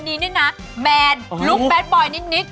คนนี้เนี่ยนะแมนลูกแบตบอยนิด